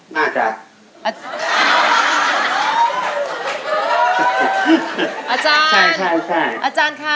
ไม่อาจารย์